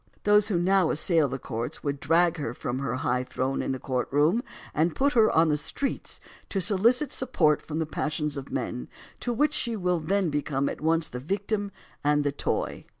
Those who now assail the courts would drag her from her high throne in the courtroom and put her on the streets to solicit support from the passions of men, to which she wHl then become at once the victim and the toy.